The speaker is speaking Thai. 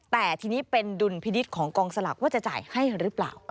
แต่ทีนี้เป็นดุลพินิษฐ์ของกองสลากว่าจะจ่ายให้หรือเปล่า